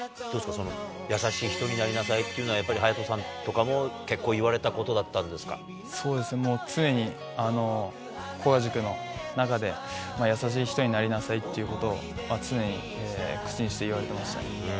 その優しい人になりなさいっていうのは、颯人さんとかも結構言われたことだったそうですね、もう常に古賀塾の中で、優しい人になりなさいっていうことを常に口にして言われてましたね。